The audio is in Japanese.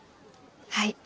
はい。